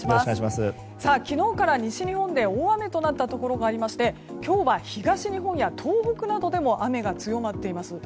昨日から西日本で大雨となったところがありまして今日は東日本や東北などでも雨が強まっています。